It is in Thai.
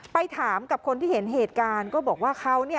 ไปถามกับคนที่เห็นเหตุการณ์ก็บอกว่าเขาเนี่ย